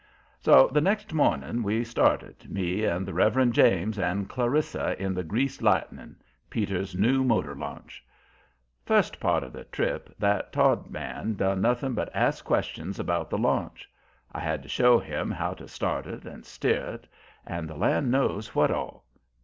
So the next morning we started, me and the Reverend James and Clarissa in the Greased Lightning, Peter's new motor launch. First part of the trip that Todd man done nothing but ask questions about the launch; I had to show him how to start it and steer it, and the land knows what all.